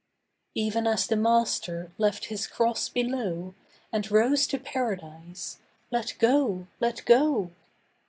Even as the Master left His cross below And rose to Paradise, let go, let go.